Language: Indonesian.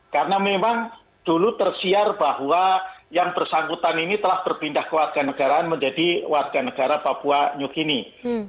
karena memang dulu tersiar bahwa yang bersangkutan ini telah berpindah ke warganegaraan menjadi warganegara papua new guinea